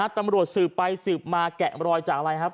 ตำรวจสืบไปสืบมาแกะรอยจากอะไรครับ